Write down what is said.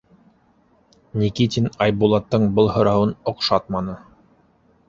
Никитин Айбулаттың был һорауын оҡшатманы.